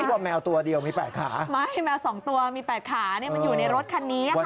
ว่าแมวตัวเดียวมี๘ขาไม่แมวสองตัวมี๘ขาเนี่ยมันอยู่ในรถคันนี้ค่ะ